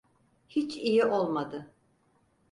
Hiç iyi olmadı.